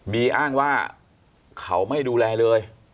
อ้างว่าเขาไม่ดูแลเลย